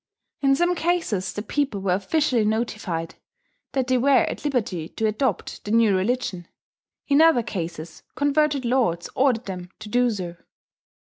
In some cases the people were officially notified that they were at liberty to adopt the new religion; in other cases, converted lords ordered them to do so.